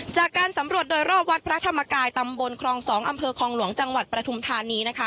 จากการสำรวจโดยรอบวัดพระธรรมกายตำบลครอง๒อำเภอคลองหลวงจังหวัดปฐุมธานีนะคะ